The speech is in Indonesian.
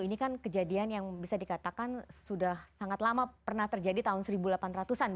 ini kan kejadian yang bisa dikatakan sudah sangat lama pernah terjadi tahun seribu delapan ratus an